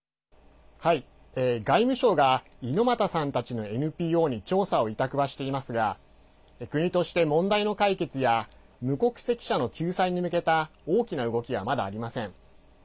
外務省が猪俣さんたちのＮＰＯに調査を委託はしていますが国として問題の解決や無国籍者の救済に向けた大きな動きは、まだありません。